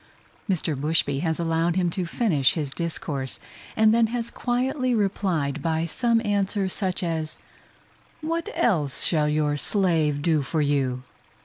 Mr. Bushby has allowed him to finish his discourse, and then has quietly replied by some answer such as, "What else shall your slave do for you?"